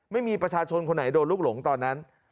ไม่มีประชาชนคนไหนโดนลูกหลงตอนนั้น